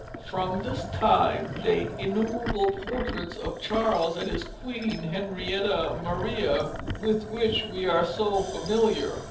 From this time date the innumerable portraits of Charles and his Queen, Henrietta Maria, with which we are so familiar.